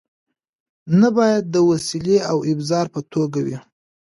نه باید د وسیلې او ابزار په توګه وي.